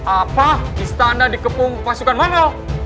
apa istana dikepung pasukan mana